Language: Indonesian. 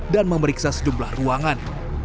dan memeriksa sejumlah ruangan